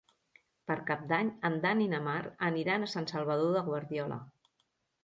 Per Cap d'Any en Dan i na Mar aniran a Sant Salvador de Guardiola.